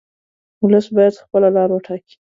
ولس باید خپله لار وټاکي.